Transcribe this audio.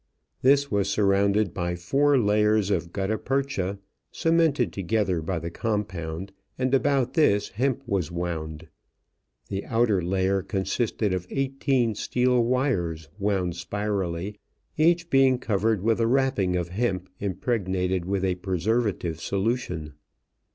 This was surrounded by four layers of gutta percha, cemented together by the compound, and about this hemp was wound. The outer layer consisted of eighteen steel wires wound spirally, each being covered with a wrapping of hemp impregnated with a preservative solution.